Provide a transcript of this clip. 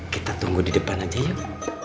kita tunggu di depan aja yuk